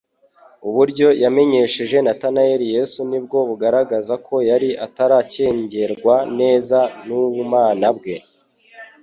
Uburyo yamenyesheje Natanaeli Yesu nibwo bugaragaza ko yari ataracengerwa neza n'ubumana bwe,